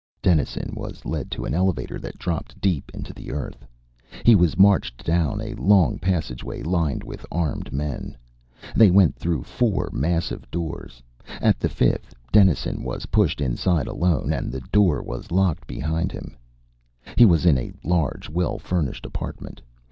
Dennison was led to an elevator that dropped deep into the Earth. He was marched down a long passageway lined with armed men. They went through four massive doors. At the fifth, Dennison was pushed inside alone, and the door was locked behind him. He was in a large, well furnished apartment.